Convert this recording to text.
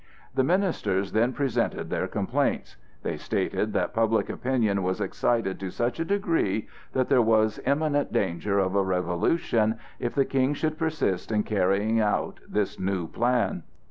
The ministers then presented their complaints. They stated that public opinion was excited to such a degree that there was imminent danger of a revolution if the King should persist in carrying out this new plan.